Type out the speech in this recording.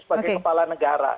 sebagai kepala negara